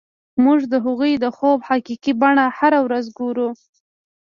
موږ د هغوی د خوب حقیقي بڼه هره ورځ ګورو